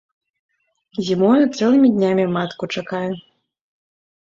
Зімою цэлымі днямі матку чакае.